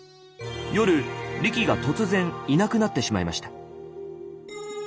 夜リキが突然いなくなってしまいました。